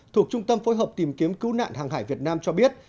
thuộc trung tâm phối hợp tìm kiếm cứu nạn hàng hải việt nam cho biết